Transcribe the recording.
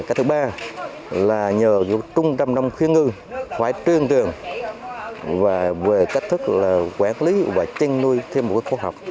cách thứ ba là nhờ trung tâm đồng khuyên ngư khói truyền truyền và về cách thức là quản lý và trinh nuôi thêm một cái khu học